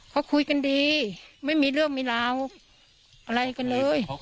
เขาคุยกันดีไม่มีเรื่องมีราวอะไรกันเลย